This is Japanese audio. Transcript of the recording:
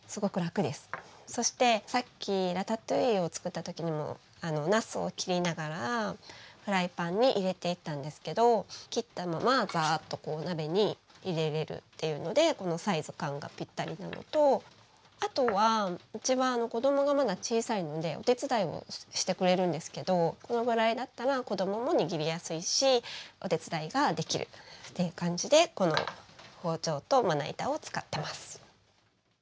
そしてさっきラタトゥイユを作った時にもなすを切りながらフライパンに入れていったんですけど切ったままザーッとこう鍋に入れれるっていうのでこのサイズ感がぴったりなのとあとはうちは子どもがまだ小さいのでお手伝いをしてくれるんですけどこのぐらいだったら子どもも握りやすいしお手伝いができるっていう感じでこの包丁とまな板を使ってます。